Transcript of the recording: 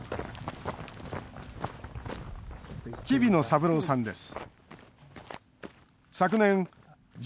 黍野三郎さんです。